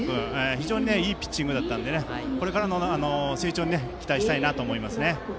非常にいいピッチングだったのでこれからの成長に期待したいと思います。